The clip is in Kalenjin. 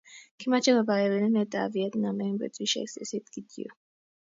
Kimache kobaa emetab Vietnam eng betushiek sisit kityo